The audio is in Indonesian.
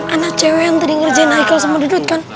anak cewek yang tadi ngerjain nikel sama duduk kan